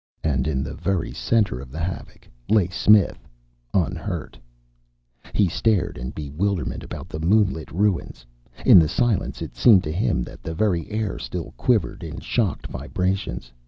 And in the very center of the havoc lay Smith, unhurt. He stared in bewilderment about the moonlight ruins. In the silence it seemed to him that the very air still quivered in shocked vibrations.